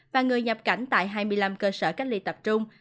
và người nhập cảnh tại hai mươi năm cơ sở cách ly tập trung